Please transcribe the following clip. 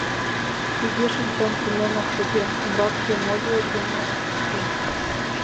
Тыге шинчам куменак шогем, умбакыже мо лиеш гын манын, вучем.